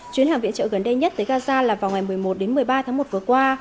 chuyến hàng viện trợ gần đây nhất tới gaza là vào ngày một mươi một đến một mươi ba tháng một vừa qua